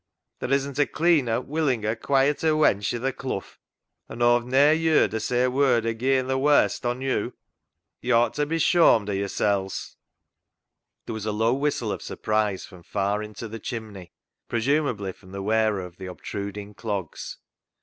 Ther' isn't a cleaner, willinger, quieter wench i' th' clough, and Aw've ne'er ye'rd her say a word agean th' warst on yo'. Yo' owt ta be shawmed o' yo'rsels." There was a low whistle of surprise from far into the chimney, presumably from the wearer of the obtruding clogs.